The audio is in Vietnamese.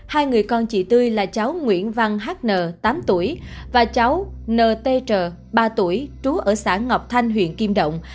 hai người con chị tươi là cháu nguyễn văn h n tám tuổi và cháu n t tr ba tuổi trú ở xã ngọc thanh huyện kim động